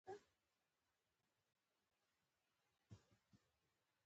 د یو خپلواک افغانستان په هیله